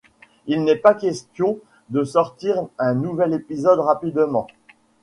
Il n'est pas question de sortir un nouvel épisode rapidement.